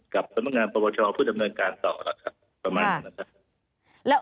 กับสบัตรงานปะปะชผู้ดำเนินการต่อประมาณนี้